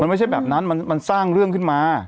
มันไม่ใช่แบบนั้นมันสร้างเรื่องขึ้นมา